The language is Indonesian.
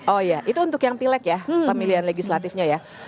oh iya itu untuk yang pilek ya pemilihan legislatifnya ya